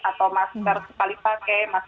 atau masker sekali pakai